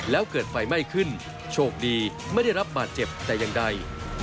แล้วเกิดไฟไหม้ขึ้นโชคดีไม่ได้รับบาดเจ็บแต่อย่างใด